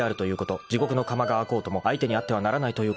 ［地獄の釜が開こうとも相手に会ってはならないということである。